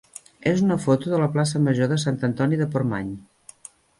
és una foto de la plaça major de Sant Antoni de Portmany.